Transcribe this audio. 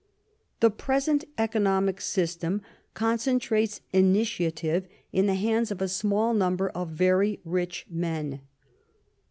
The present economic system concentrates initiative in the hands of a small number of very rich men.